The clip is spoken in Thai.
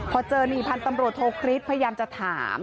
พอเจอนี่พันธุ์ตำรวจโทคริสพยายามจะถาม